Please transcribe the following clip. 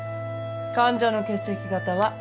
患者の血液型はＡ。